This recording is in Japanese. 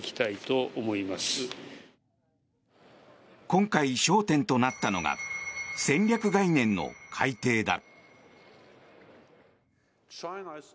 今回、焦点となったのが戦略概念の改定だ。